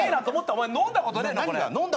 お前飲んだことねえんだ